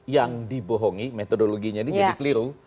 yang dibohongi metodologinya ini jadi keliru